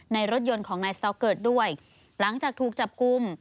ในรถยนต์ของนายสต๊อกเกิดด้วยหลังจากถูกจับกลุ่ม